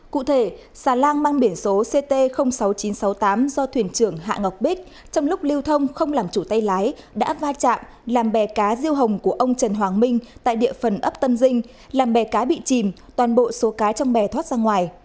cụ thể xà lan mang biển số ct sáu nghìn chín trăm sáu mươi tám do thuyền trưởng hạ ngọc bích trong lúc lưu thông không làm chủ tay lái đã va chạm làm bè cá riêu hồng của ông trần hoàng minh tại địa phần ấp tân dinh làm bè cá bị chìm toàn bộ số cá trong bè thoát ra ngoài